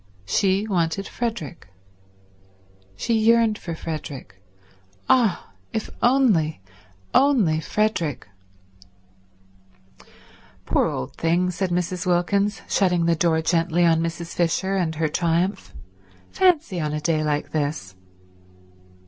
She wanted Frederick. She yearned for Frederick. Ah, if only, only Frederick ... "Poor old thing," said Mrs. Wilkins, shutting the door gently on Mrs. Fisher and her triumph. "Fancy on a day like this."